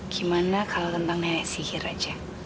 gimana kalau tentang nenek sihir aja